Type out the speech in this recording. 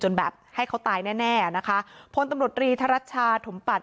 แบบให้เขาตายแน่แน่นะคะพลตำรวจรีธรัชชาถมปัต